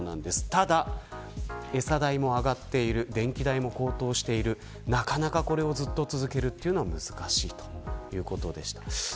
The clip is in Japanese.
ただ、餌代も上がって電気代も上がっているこれを続けるのは難しいということでした。